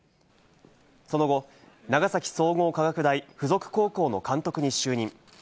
その後、長崎総合科学大附属高校の監督に就任。